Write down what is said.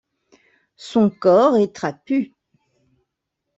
Son corps est trapu.